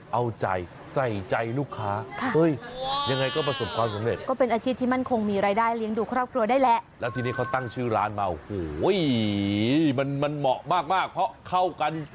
เอาใจใส่ใจลูกค้า